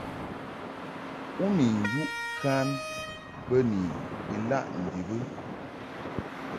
U ni yuʼ kan bə ni ilaʼ ndib ɨ ?